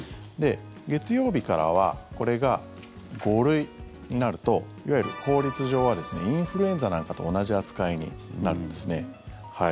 月曜日からはこれが５類になるといわゆる法律上はインフルエンザなんかと同じ扱いになるんですね。